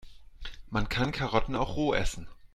Man kann Karotten auch roh essen.